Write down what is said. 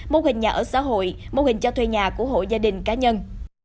mô hình nhà ở xã hội mô hình cho thuê nhà của hộ gia đình cá nhân